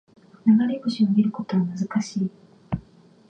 流れ星を見ることは難しい